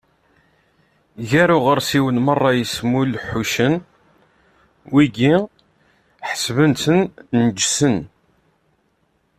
Gar uɣersiw meṛṛa yesmulḥucen, wigi ḥesbet-ten neǧsen.